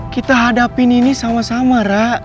kita hadapin ini sama sama rak